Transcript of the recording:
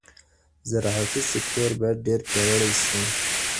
زراعتي سکتور باید ډیر پیاوړی سي.